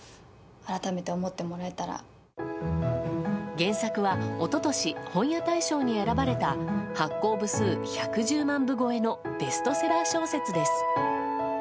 原作は、一昨年本屋大賞に選ばれた発行部数１１０万部超えのベストセラー小説です。